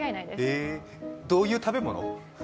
どういう食べ物？